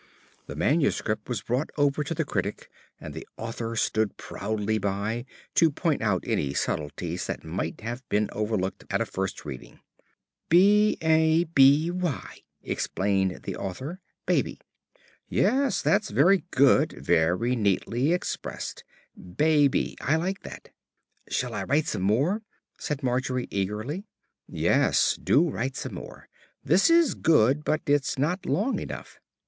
The manuscript was brought over to the critic, and the author stood proudly by to point out subtleties that might have been overlooked at a first reading. "B a b y," explained the author. "Baby." "Yes, that's very good; very neatly expressed. 'Baby' I like that." "Shall I write some more?" said Margery eagerly. "Yes, do write some more. This is good, but it's not long enough."